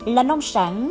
là nông sản